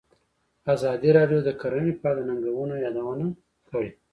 ازادي راډیو د کرهنه په اړه د ننګونو یادونه کړې.